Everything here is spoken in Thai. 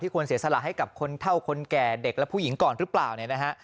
ควรเสียสละให้กับคนเท่าคนแก่เด็กและผู้หญิงก่อนหรือเปล่าเนี่ยนะฮะ